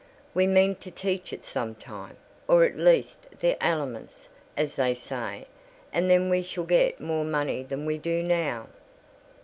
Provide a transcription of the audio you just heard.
"We mean to teach it some time—or at least the elements, as they say; and then we shall get more money than we do now."